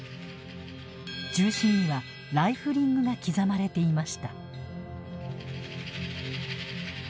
銃身にはライフリングが刻まれていました。